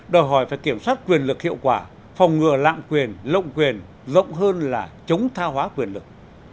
đòi hỏi phải kiểm soát quyền lực hiệu quả phòng ngừa lạm quyền lộng quyền rộng hơn là chống tha hóa quyền lực